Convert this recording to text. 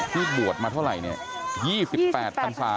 ที่บวชมาเท่าไหร่เนี่ย๒๘พันศา